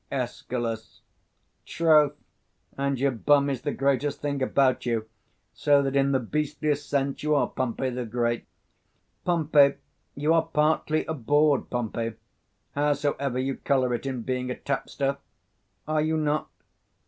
Escal. Troth, and your bum is the greatest thing about you; so that, in the beastliest sense, you are Pompey the 205 Great. Pompey, you are partly a bawd, Pompey, howsoever you colour it in being a tapster, are you not?